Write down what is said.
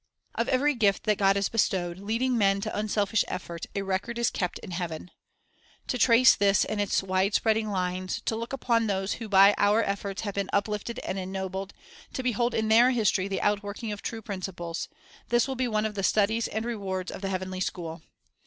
Of every gift that God has bestowed, leading men to unselfish effort, a record is kept in heaven. To trace this in its wide spreading lines, to look upon those who by our efforts have been uplifted and ennobled, to behold in their history the outworking of true prin ciples, — this will be one of the studies and rewards of the heavenly school.